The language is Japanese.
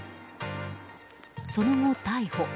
その後、逮捕。